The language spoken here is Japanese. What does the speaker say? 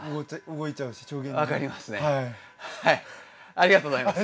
ありがとうございます。